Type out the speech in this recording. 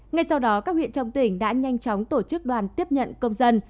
ngay sau đó các huyện trong tỉnh đã nhanh chóng tổ chức đoàn tiếp nhận công dân